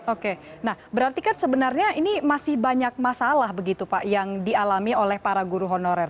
oke nah berarti kan sebenarnya ini masih banyak masalah begitu pak yang dialami oleh para guru honorer